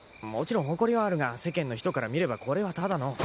もちろん誇りはあるが世間の人から見ればこれはただの。